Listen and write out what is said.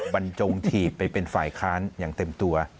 บรรจงถีบไปเป็นฝ่ายค้านอย่างเต็มตัว